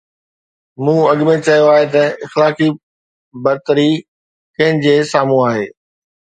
مون اڳ ۾ چيو آهي ته اخلاقي برتري ڪنهن جي سامهون آهي.